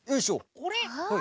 これ。